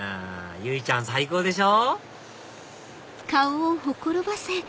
由依ちゃん最高でしょ？